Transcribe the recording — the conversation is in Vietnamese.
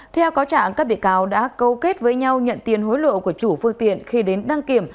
theo có trạng các bị cáo đã câu kết với nhau nhận tiền hối lộ của chủ phương tiện khi đến đăng kiểm